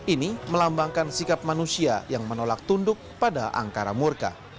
ini melambangkan sikap manusia yang menolak tunduk pada angkara murka